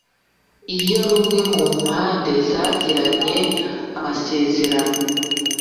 Iyo rumwe mu mpande zagiranye amasezerano